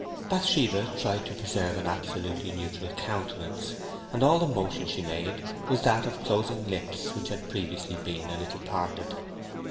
Bathsheba tried to preserve an absolutely neutral countenance, and all the motion she made was that of closing lips which had previously been a little parted.